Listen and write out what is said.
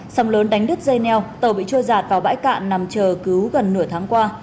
sông lớn đánh đứt dây neo tàu bị trôi giạt vào bãi cạn nằm chờ cứu gần nửa tháng qua